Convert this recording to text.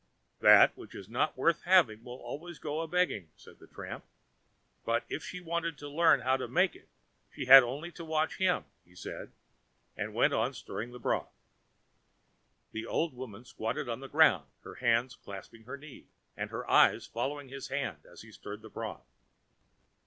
"That which is not worth having will always go a begging," said the tramp, but if she wanted to learn how to make it she had only to watch him, he said, and went on stirring the broth. The old woman squatted on the ground, her hands clasping her knees, and her eyes following his hand as he stirred the broth.